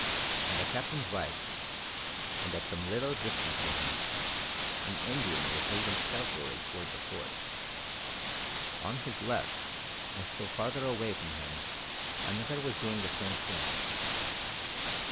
On the Captain's right, and at some little distance from him, an Indian was moving stealthily toward the Fort. On his left, and still farther away from him, another was doing the same thing.